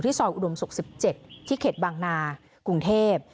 ซอยอุดมศุกร์๑๗ที่เขตบางนากรุงเทพ